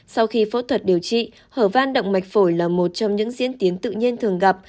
sau khi phẫu thuật điều trị hở van động mạch phổi là một trong những diễn tiến tự nhiên thường gặp